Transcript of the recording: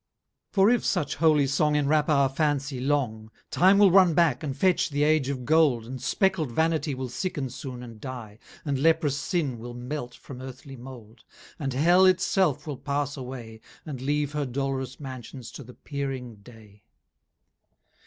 XIV For if such holy Song Enwrap our fancy long, Time will run back, and fetch the age of gold, And speckl'd vanity Will sicken soon and die, And leprous sin will melt from earthly mould, And Hell it self will pass away And leave her dolorous mansions to the peering day.